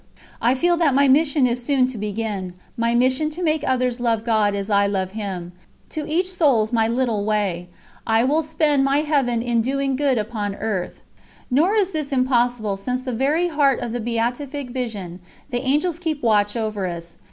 "I feel that my mission is soon to begin my mission to make others love God as I love Him ... to each souls my little way ... I WILL SPEND MY HEAVEN IN DOING GOOD UPON EARTH. Nor is this impossible, since from the very heart of the Beatific Vision, the Angels keep watch over us.